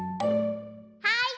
はい！